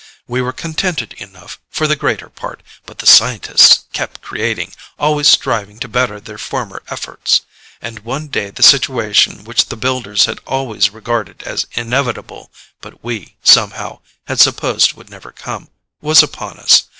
We were contented enough, for the greater part, but the scientists kept creating, always striving to better their former efforts. And one day the situation which the Builders had always regarded as inevitable, but we, somehow, had supposed would never come, was upon us.